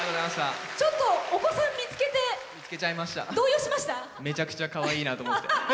ちょっと、お子さん見つけてめちゃくちゃかわいいなと思って。